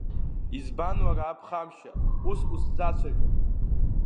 Избан уара аԥхамшьа, ус узсацәажәо?